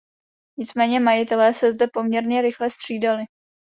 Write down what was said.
Nicméně majitelé se zde poměrně rychle střídali.